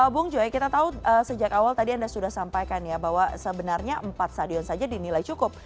bung joy kita tahu sejak awal tadi anda sudah sampaikan ya bahwa sebenarnya empat stadion saja dinilai cukup